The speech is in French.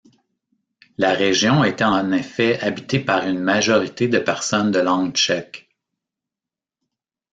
La région était en effet habitée par une majorité de personnes de langue tchèque.